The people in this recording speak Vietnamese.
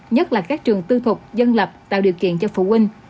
nhất là các trường tư thục dân lập tạo điều kiện cho phụ huynh